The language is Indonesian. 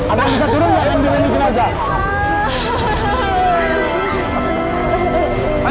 ada yang bisa turun mbak